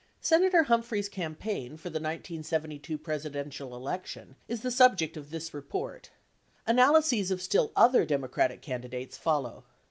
Senator Humphrey's campaign for the 1972 Presidential election is the subject of this report. Analyses of still other Democratic candi dates follow.